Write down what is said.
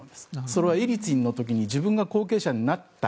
それはエリツィンの時に自分が後継者になった。